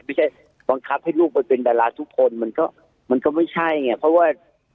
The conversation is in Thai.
ไม่ใช่บังคับให้ลูกไปเป็นดาราทุกคนมันก็มันก็ไม่ใช่ไงเพราะว่า